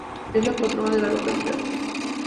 Es la patrona de la localidad.